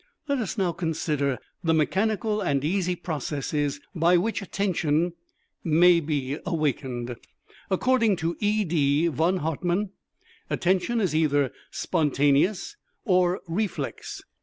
Let us now consider the mechanical and easy processes by which attention may be awakened. According to ED. VON HARTMANN, Attention is either spontaneous or reflex.